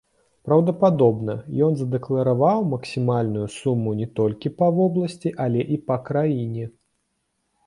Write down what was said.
Праўдападобна, ён задэклараваў максімальную суму не толькі па вобласці, але і па краіне.